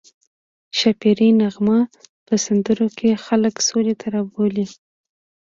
ښاپیرۍ نغمه په سندرو کې خلک سولې ته رابولي